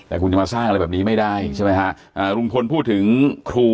ไม่รู้จะถามใครถามหมอปลากันแล้วกัน